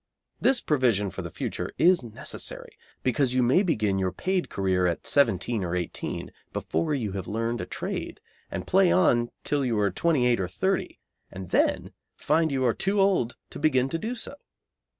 This provision for the future is necessary, because you may begin your paid career at seventeen or eighteen, before you have learned a trade, and play on till you are twenty eight or thirty, and then find you are too old to begin to do so.